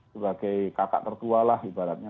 sebagai kakak tertua lah ibaratnya